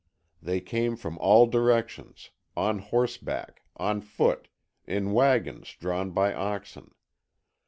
They came from all directions, on horseback, on foot, in wagons drawn by oxen.